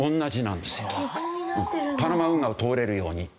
パナマ運河を通れるように。